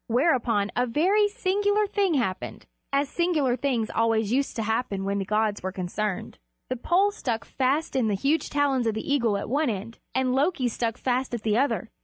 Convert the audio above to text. Whereupon a very singular thing happened, as singular things always used to happen when the gods were concerned: the pole stuck fast in the huge talons of the eagle at one end, and Loki stuck fast at the other end.